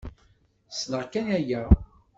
Snneɣ kan aya.